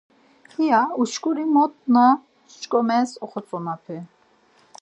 İya uşkuri mot na ç̌ǩomes oxotzonapi.